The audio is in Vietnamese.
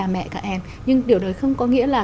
cha mẹ các em nhưng điều đấy không có nghĩa là